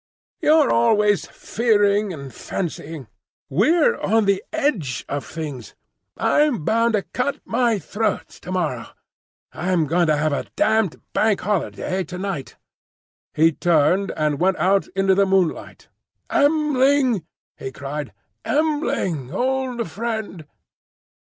You're always fearing and fancying. We're on the edge of things. I'm bound to cut my throat to morrow. I'm going to have a damned Bank Holiday to night." He turned and went out into the moonlight. "M'ling!" he cried; "M'ling, old friend!"